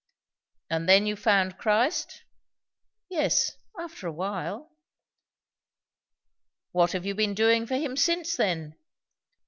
"And then you found Christ?" "Yes, after a while." "What have you been doing for him since then?"